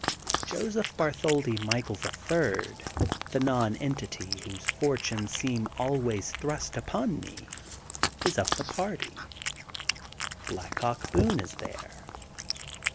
Joseph Bartholdi Michael, the Third, the non entity whose fortunes seem always thrust upon me, is of the party. Black Hawk Boone is there.